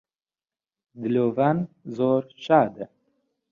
دلۆڤان زۆر شادە